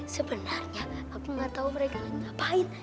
sebenarnya aku nggak tahu mereka nangis ngapain